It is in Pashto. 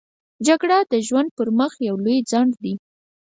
جګړه د ژوند پر مخ لوی خنډ دی